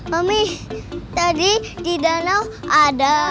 pamih tadi di danau ada